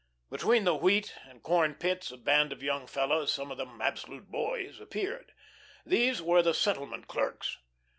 Between the wheat and corn pits a band of young fellows, some of them absolute boys, appeared. These were the settlement clerks.